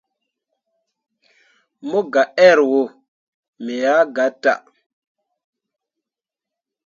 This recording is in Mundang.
Mu gah err wo, me ah gatah.